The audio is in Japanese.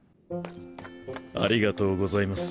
ありがとうございます。